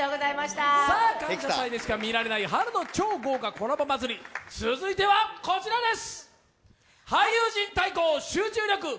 「感謝祭」でしか見られない春の超豪華コラボ祭り、続いてはこちらです。